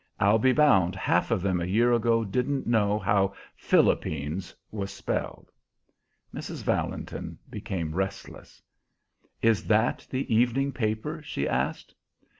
I'll be bound half of them a year ago didn't know how 'Philippines' was spelled." Mrs. Valentin became restless. "Is that the evening paper?" she asked.